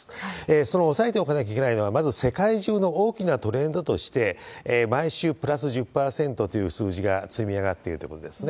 その押さえておかなきゃいけないのは、まず世界中の大きなトレンドとして、毎週、プラス１０％という数字が積み上がっているということですね。